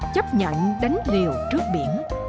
chấp nhận đánh liều trước biển